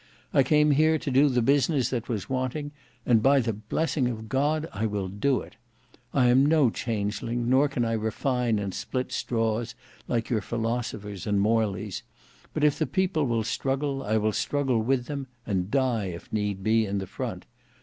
"I came here to do the business that was wanting, and, by the blessing of God, I will do it. I am no changeling, nor can I refine and split straws, like your philosophers and Morleys: but if the people will struggle, I will struggle with them; and die, if need be, in the front.